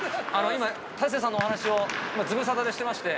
今、大勢さんのお話をズムサタでしてまして。